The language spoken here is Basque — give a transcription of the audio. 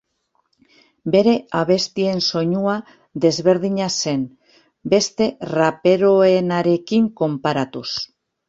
Bere abestien soinua desberdina zen beste raperoenarekin konparatuz.